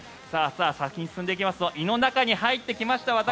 先に進んでいきますと胃の中に入ってきました。